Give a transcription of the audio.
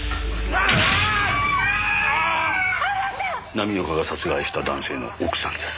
浪岡が殺害した男性の奥さんです。